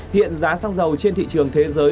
hiện giá xăng dầu trên thị trường thế giới